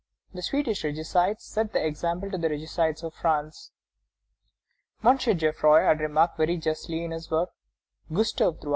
The Swedish regicides set the example to the regicides of France. M. Geffroy has remarked very justly in his work, _Gustave III.